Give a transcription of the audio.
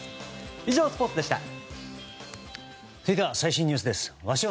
以上、スポーツでした。